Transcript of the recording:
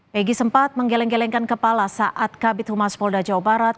megi sempat menggeleng gelengkan kepala saat kabit humas polda jawa barat